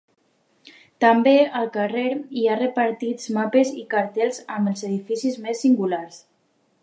També al carrer hi ha repartits mapes i cartells amb els edificis més singulars.